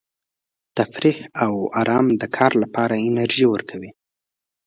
تفریح او ارام د کار لپاره انرژي ورکوي.